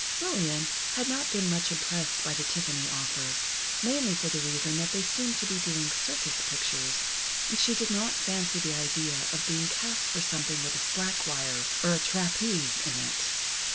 Lillian had not been much impressed by the Tiffany offer, mainly for the reason that they seemed to be doing circus pictures, and she did not fancy the idea of being cast for something with a slack wire, or a trapeze, in it.